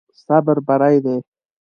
صبر بری دی.